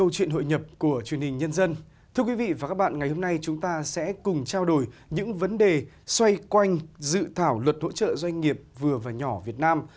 thưa quý vị và các bạn ngày hôm nay chúng ta sẽ cùng trao đổi những vấn đề xoay quanh dự thảo luật hỗ trợ doanh nghiệp vừa và nhỏ việt nam